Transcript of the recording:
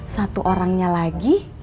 satu orangnya lagi